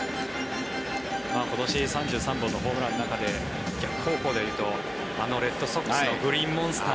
今年３３本のホームランの中で逆方向でいうとレッドソックスのグリーンモンスター。